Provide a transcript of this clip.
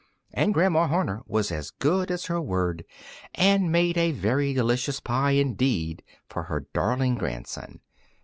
And Grandma Horner was as good as her word, and made a very delicious pie indeed for her darling grandson.